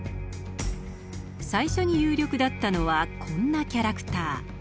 最初に有力だったのはこんなキャラクター。